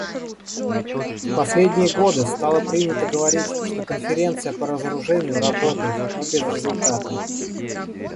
В последние годы стало принято говорить, что Конференция по разоружению работает, но безрезультатно.